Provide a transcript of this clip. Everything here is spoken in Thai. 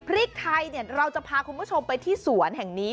พริกไทยเราจะพาคุณผู้ชมไปที่สวนแห่งนี้